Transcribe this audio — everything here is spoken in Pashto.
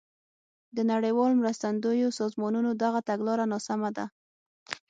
د نړیوالو مرستندویو سازمانونو دغه تګلاره ناسمه ده.